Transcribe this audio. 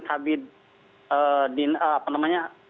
kabupaten kabupaten tasikmalaya